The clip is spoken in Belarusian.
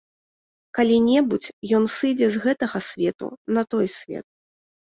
Калі-небудзь ён сыдзе з гэтага свету на той свет.